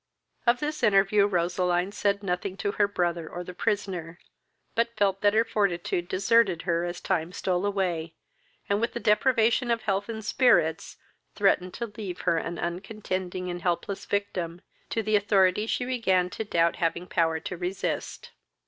Of this interview Roseline said nothing to her brother or the prisoner, but felt that her fortitude deserted her as time stole away, and, with the deprivation of health and spirits, threatened to leave her an uncontending and helpless victim to the authority she began to doubt having power to resist.